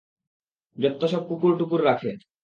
যত্তসব কুকুর-টুকুর রাখে।